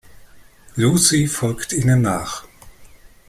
Lucy folgt ihnen nach.